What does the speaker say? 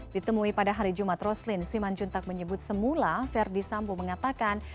ditemui pada hari jumat roslin siman juntak menyebut semula verdi sambo mengatakan